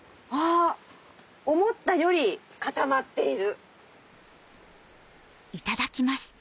思ったより固まっている。